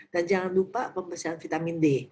dan jangan lupa pemeriksaan vitamin d